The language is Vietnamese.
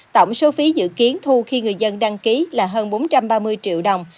tổng số phí dự kiến thu khi người dân đăng ký là hơn bốn trăm ba mươi triệu đồng